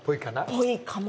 ぽいかも。